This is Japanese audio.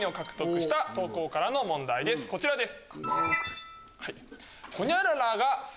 こちらです。